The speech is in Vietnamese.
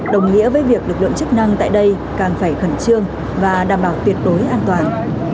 đồng nghĩa với việc lực lượng chức năng tại đây càng phải khẩn trương và đảm bảo tuyệt đối an toàn